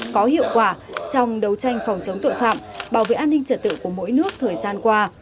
có hiệu quả trong đấu tranh phòng chống tội phạm bảo vệ an ninh trật tự của mỗi nước thời gian qua